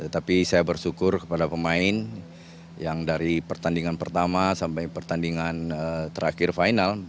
tapi saya bersyukur kepada pemain yang dari pertandingan pertama sampai pertandingan terakhir final